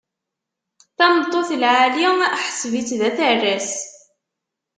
Tameṭṭut lɛali, ḥseb-itt d aterras.